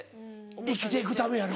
生きて行くためやろ。